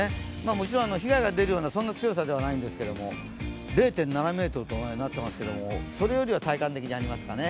もちろん被害が出るようなそんな強さではないんですけど０．７メートルとなっていますけど、それよりは体感的にありますかね。